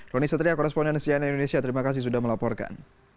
rony satria koresponden sian indonesia terima kasih sudah melaporkan